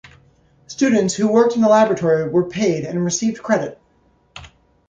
Students who worked in the laboratory were paid and received credit.